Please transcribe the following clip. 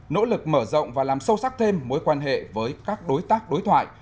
nỗ lực mở rộng và làm sâu sắc thêm mối quan hệ với các đối tác đối thoại